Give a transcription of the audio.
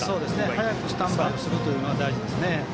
早くスタンバイをするのが大事ですね。